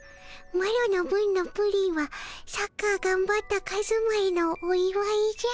マロの分のプリンはサッカーがんばったカズマへのおいわいじゃ。